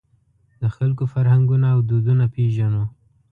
د خلکو فرهنګونه او دودونه پېژنو.